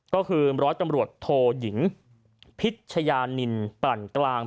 ก็คือร้อยตำรวจโทยิงพิชยานินปลั่นกลาง